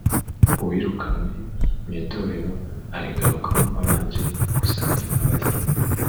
Uwirukanwe mw Itorero arigarukamo abanje gusaba imbabazi